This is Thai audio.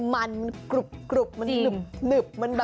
มันมันกรุบมันหนึบ